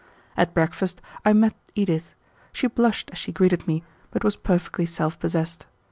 At breakfast I met Edith. She blushed as she greeted me, but was perfectly self possessed.